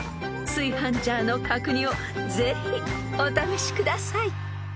［炊飯ジャーの角煮をぜひお試しください］